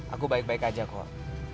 aku baik baik aja kok